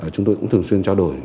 chúng tôi cũng thường xuyên trao đổi